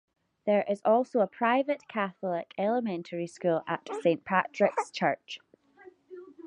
There is also a private Catholic elementary school at Saint Patricks Church.